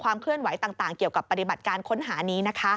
เคลื่อนไหวต่างเกี่ยวกับปฏิบัติการค้นหานี้นะคะ